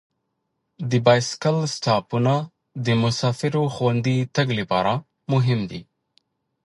د بایسکل سټاپونه د مسافرو خوندي تګ لپاره مهم دي.